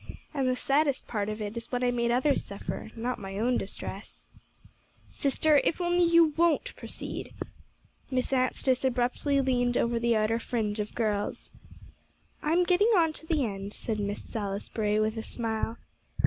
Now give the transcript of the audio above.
And the saddest part of it is what I made others suffer; not my own distress." "Sister, if you only won't proceed!" Miss Anstice abruptly leaned over the outer fringe of girls. "I am getting on to the end," said Miss Salisbury, with a smile.